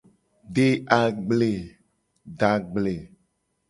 De agble.